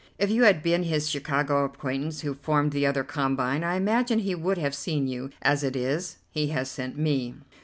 If you had been his Chicago acquaintance who formed the other combine, I imagine he would have seen you; as it is, he has sent me."